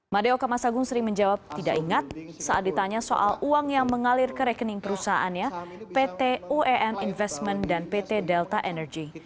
madeo kamasagung sering menjawab tidak ingat saat ditanya soal uang yang mengalir ke rekening perusahaannya pt uem investment dan pt delta energy